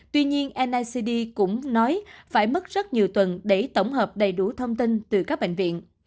tuy nhiên nicd cũng nói phải mất rất nhiều tuần để tổng hợp đầy đủ thông tin từ các bệnh viện